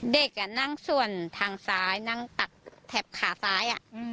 แต่แบบส่วนทางซ้ายตัดแถบขาซ้าย